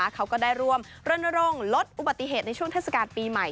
เขาก็ได้ร่วมรณรงค์ลดอุบัติเหตุในช่วงเทศกาลปีใหม่